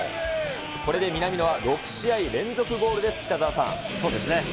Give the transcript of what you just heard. これで南野は６試合連続ゴールでそうですね。